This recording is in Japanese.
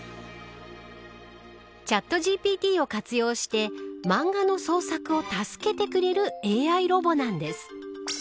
チャットＧＰＴを活用して漫画の創作を助けてくれるＡＩロボなんです。